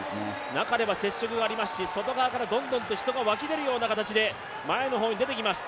中では接触がありますし、外側からどんどん人がわき出るような形で前の方に出てきます。